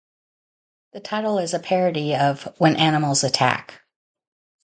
The title is a parody of When Animals Attack.